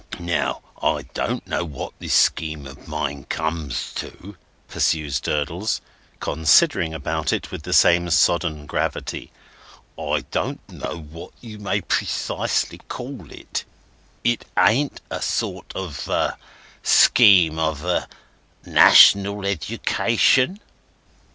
Now, I don't know what this scheme of mine comes to," pursues Durdles, considering about it with the same sodden gravity; "I don't know what you may precisely call it. It ain't a sort of a—scheme of a—National Education?"